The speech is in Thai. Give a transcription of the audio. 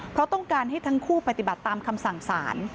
เพราะต้องการให้ทั้งคู่ปฏิบัติตามคำสั่งสาร